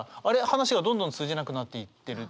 話がどんどん通じなくなっていってる。